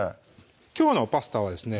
きょうのパスタはですね